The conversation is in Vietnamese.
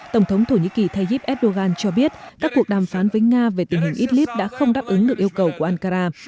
tổng thống thổ nhĩ kỳ tayyip erdogan cho biết các cuộc đàm phán với nga về tình hình idlib đã không đáp ứng được yêu cầu của ankara